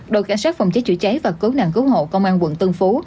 đội cảnh sát phòng cháy chữa cháy và cứu nạn cứu hộ công an quận tân phú